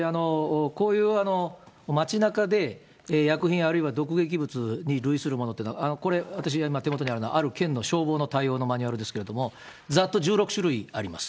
こういう街なかで、薬品あるいは毒劇物に類するものっていうのは、これ、私の手元にあるのはある県の消防の対応のマニュアルですけれども、ざっと１６種類あります。